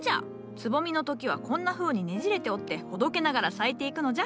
つぼみの時はこんなふうにねじれておってほどけながら咲いていくのじゃ。